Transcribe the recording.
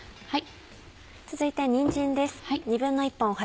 続いてにんじんです。